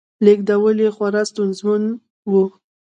لېږدول یې خورا ستونزمن و